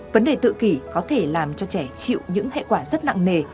vấn đề tự kỷ có thể làm cho trẻ chịu những hệ quả rất nặng nề